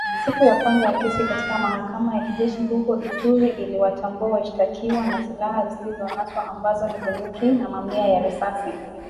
Siku ya kwanza ya kesi katika mahakama ya kijeshi huko Ituri iliwatambua washtakiwa na silaha zilizonaswa ambazo ni bunduki na mamia ya risasi